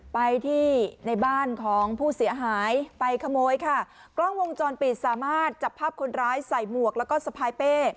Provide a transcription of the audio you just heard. ไปที่ในบ้านของผู้เสียหายไปขโมยค่ะกล้องวงจรปิดสามารถจับภาพคนร้ายใส่หมวกแล้วก็สะพายเป้